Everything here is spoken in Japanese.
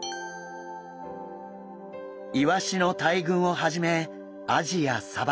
イワシの大群をはじめアジやサバ